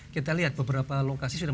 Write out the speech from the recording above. kita lihat beberapa lokasi sudah